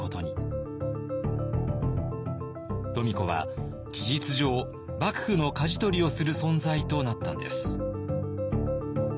富子は事実上幕府のかじ取りをする存在となったんです。